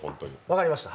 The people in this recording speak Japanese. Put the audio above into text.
分かりました。